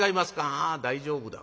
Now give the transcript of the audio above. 「ああ大丈夫だ。